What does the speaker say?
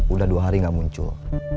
udah dua hari gak muncul